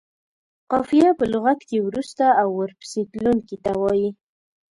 قافیه په لغت کې وروسته او ورپسې تلونکي ته وايي.